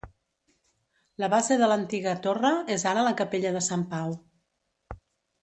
La base de l'antiga torre és ara la Capella de Sant Pau.